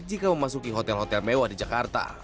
jika memasuki hotel hotel mewah di jakarta